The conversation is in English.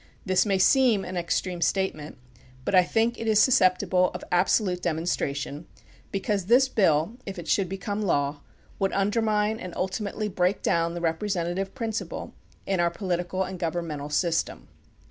This may seem an extreme statement, but I think it is susceptible of absolute demonstration, be cause this bill, if it should become law, would under mine and ultimately break down the representative principle in our political and governmental system.